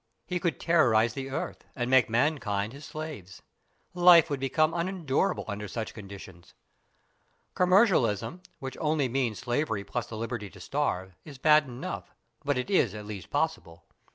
He could terrorise the earth, and make mankind his slaves. Life would become unendurable under such conditions. Commercialism, which only means slavery plus the liberty to starve, is bad enough, but it is at least possible.